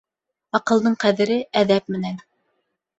Аҡылдың ҡәҙере әҙәп менән